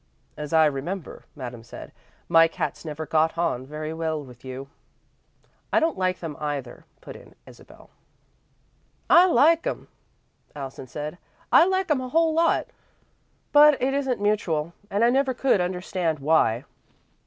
"As I remember," Madame said, "my cats never got on very well with you." "I don't like them either," put in Isabel. "I like 'em," Allison said. "I like 'em a whole lot, but it isn't mutual, and I never could understand why."